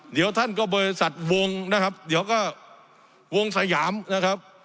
เดี๋ยวท่านก็บริษัทวงนะครับเดี๋ยวก็วงสยามนะครับ